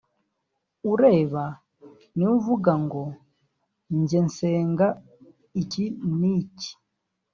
ureba niwe uvuga ngo njye nsenga iki ni iki